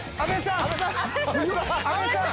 阿部さん！